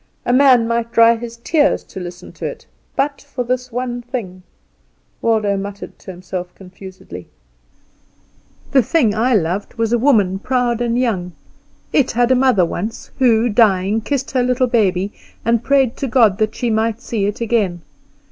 A man might dry his tears to listen to it, but for this one thing Waldo muttered to himself confusedly: "The thing I loved was a woman proud and young; it had a mother once, who, dying, kissed her little baby, and prayed God that she might see it again.